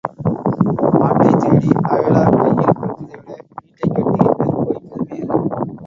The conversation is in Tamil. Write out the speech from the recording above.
ஆட்டைத் தேடி அயலார் கையில் கொடுப்பதைவிட வீட்டைக் கட்டி நெருப்பு வைப்பது மேல்.